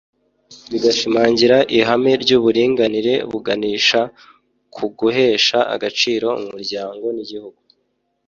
bigashimangira ihame ry’uburinganire buganisha k’uguhesha agaciro umuryango n’igihugu